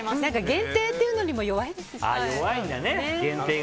限定っていうのも弱いですしね。